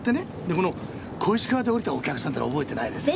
この小石川で降りたお客さんって覚えてないですかね？